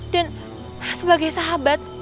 dan sebagai sahabat